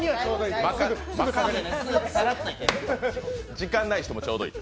時間ない人もちょうどいい。